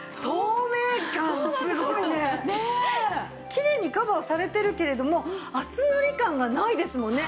きれいにカバーされているけれども厚塗り感がないですもんね。